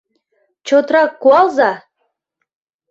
Чотрак куалза!